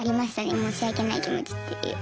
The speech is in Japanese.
申し訳ない気持ちっていうか。